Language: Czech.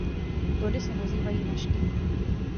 Plody se nazývají nažky.